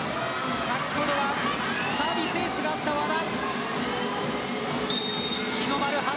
先ほどはサービスエースがあった和田。